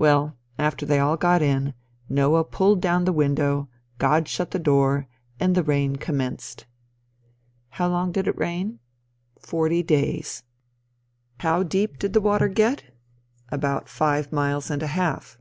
Well, after they all got in, Noah pulled down the window, God shut the door, and the rain commenced. How long did it rain? Forty days. How deep did the water get? About five miles and a half.